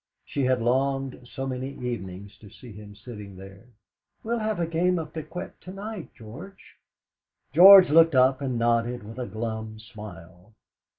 She had longed so many evenings to see him sitting there. "We'll have a game of piquet to night, George." George looked up and nodded with a glum smile.